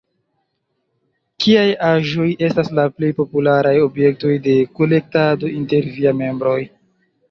Kiaj aĵoj estas la plej popularaj objektoj de kolektado inter viaj membroj?